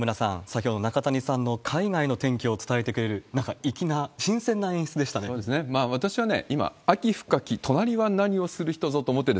先ほど中谷さんの海外の天気を伝えてくれる、なんか、粋な、新鮮そうですね。